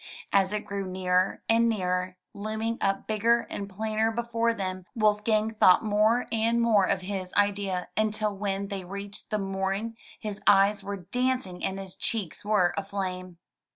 As it grew nearer and nearer, looming up bigger and plainer before them, Wolfgang thought more and more of his idea, until when they reached the mooring his eyes were dancing and his cheeks were aflame.